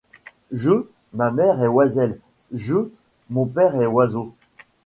Je Ma mère est oiselle, Je Mon père est oiseau.